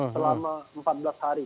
selama empat belas hari